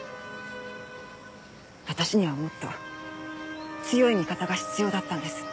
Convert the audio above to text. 私にはもっと強い味方が必要だったんです。